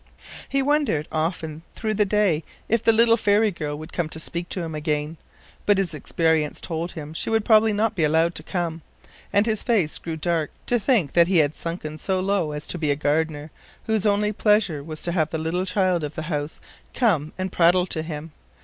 He wondered often through the day if the little fairy girl would come to speak to him again, but his experience told him she would probably not be allowed to come, and his face grew dark to think that he had sunken so low as to be a gardener, whose only pleasure was to have the little child of the house come and prattle to him.